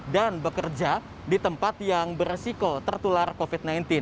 dan bekerja di tempat yang beresiko tertular covid sembilan belas